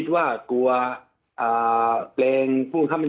สวัสดีครับทุกคน